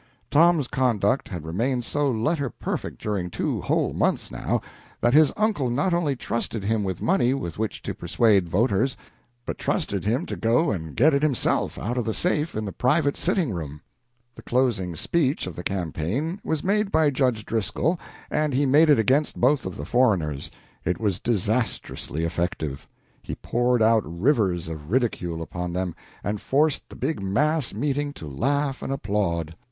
Tom's conduct had remained so letter perfect during two whole months, now, that his uncle not only trusted him with money with which to persuade voters, but trusted him to go and get it himself out of the safe in the private sitting room. The closing speech of the campaign was made by Judge Driscoll, and he made it against both of the foreigners. It was disastrously effective. He poured out rivers of ridicule upon them, and forced the big mass meeting to laugh and applaud.